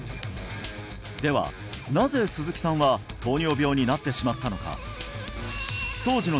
はなぜ鈴木さんは糖尿病になってしまったのか？